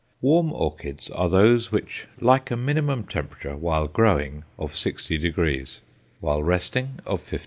Warm orchids are those which like a minimum temperature, while growing, of 60°; while resting, of 55°.